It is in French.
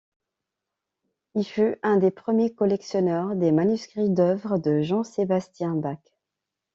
Il fut un des premiers collectionneurs des manuscrits d'œuvres de Jean-Sébastien Bach.